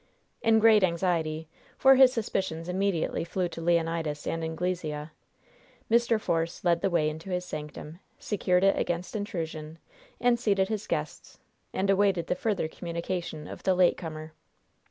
In great anxiety for his suspicions immediately flew to Leonidas and Anglesea Mr. Force led the way into his sanctum, secured it against intrusion, and seated his guests, and awaited the further communication of the last comer.